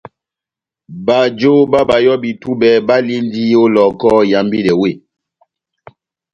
Bajo bá bayɔbi tubɛ balindi ó Lohoko ihambidɛ weh.